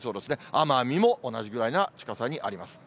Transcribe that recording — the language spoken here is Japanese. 奄美も同じぐらいな近さにあります。